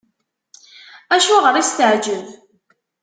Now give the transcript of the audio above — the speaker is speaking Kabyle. Acuɣer i s-teɛǧeb?